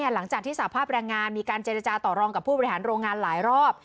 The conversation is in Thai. หลังจากที่สภาพแรงงานมีการเจรจาต่อรองกับผู้บริหารโรงงานหลายรอบ